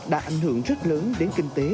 đã ảnh hưởng rất lớn đến kinh tế